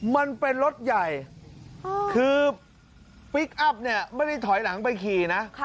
มันเป็นรถใหญ่คือพลิกอัพเนี่ยไม่ได้ถอยหลังไปขี่นะ